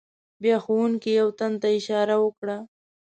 بیا ښوونکي یو تن ته اشاره وکړه.